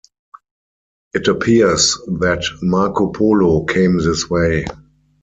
It appears that Marco Polo came this way.